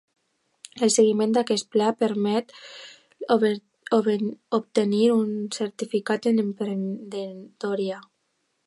El seguiment d'aquest pla permet obtenir un certificat en emprenedoria.